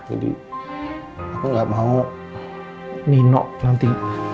jadi aku gak mau nino nanti